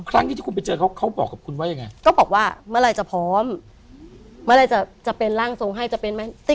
ครั้งที่คุณไปเจอเขาบอกกับคุณไว้ยังไง